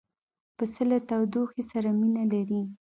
پسه له تودوخې سره مینه لري.